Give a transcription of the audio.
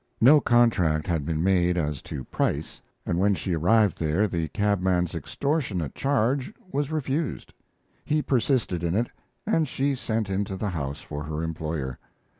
No contract had been made as to price, and when she arrived there the cabman's extortionate charge was refused. He persisted in it, and she sent into the house for her employer.